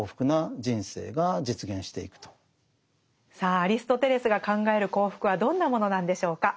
さあアリストテレスが考える幸福はどんなものなんでしょうか？